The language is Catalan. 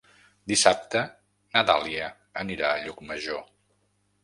Dissabte na Dàlia anirà a Llucmajor.